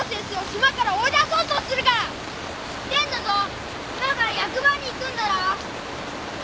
今から役場に行くんだろう！